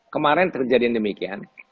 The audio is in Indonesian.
kemaren terjadi demikian